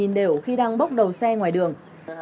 hàn đều khi đang bốc đầu xe ngoài đường